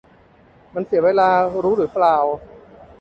มันเสียเวลา รู้หรือเปล่า